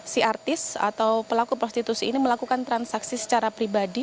si artis atau pelaku prostitusi ini melakukan transaksi secara pribadi